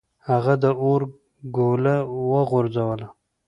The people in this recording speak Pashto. هغه د اور ګوله وغورځوله.